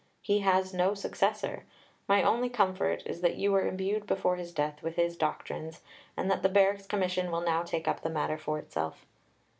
He has no successor. My only comfort is that you were imbued before his death with his doctrines, and that the Barracks Commission will now take up the matter for itself."